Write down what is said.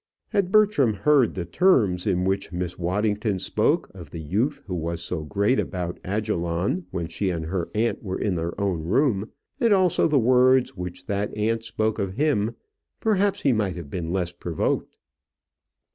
Had Bertram heard the terms in which Miss Waddington spoke of the youth who was so great about Ajalon when she and her aunt were in their own room, and also the words in which that aunt spoke of him, perhaps he might have been less provoked.